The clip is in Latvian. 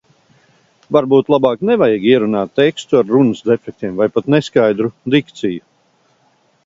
Varbūt labāk nevajag ierunāt tekstu ar runas defektiem vai pat neskaidru dikciju?